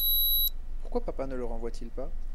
Pourquoi papa ne le renvoie-t-il pas ?